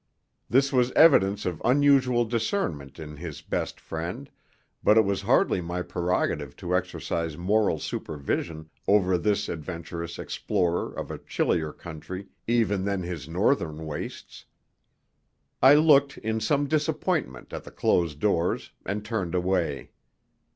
This was evidence of unusual discernment in his best friend, but it was hardly my prerogative to exercise moral supervision over this adventurous explorer of a chillier country even than his northern wastes. I looked in some disappointment at the closed doors and turned away.